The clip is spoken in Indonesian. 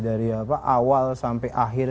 dari awal sampai akhir